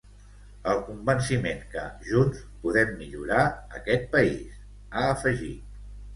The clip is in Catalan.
El convenciment que, junts, podem millorar aquest país, ha afegit.